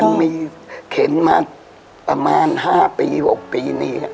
มีเข็นมาประมาณ๕ปี๖ปีนี่